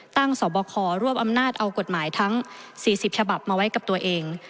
สอบบครวบอำนาจเอากฎหมายทั้ง๔๐ฉบับมาไว้กับตัวเอง